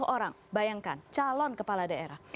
tujuh puluh orang bayangkan calon kepala daerah